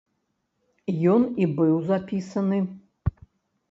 Ён і быў запісаны.